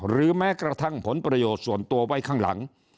แม้กระทั่งผลประโยชน์ส่วนตัวไว้ข้างหลัง